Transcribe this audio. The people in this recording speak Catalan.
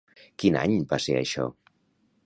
Quin any va ser això?